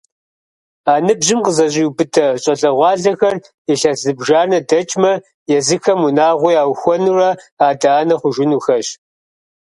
А ныбжьым къызэщӏиубыдэ щӏалэгъуалэхэр илъэс зыбжанэ дэкӏмэ езыхэм унагъуэ яухуэнурэ адэ-анэ хъужынухэщ.